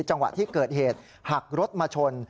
จังหวะที่เกิดเหตุหักรถมาชน